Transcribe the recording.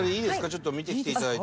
ちょっと見てきて頂いて。